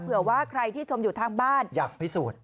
เผื่อว่าใครที่ชมอยู่ทางบ้านอยากพิสูจน์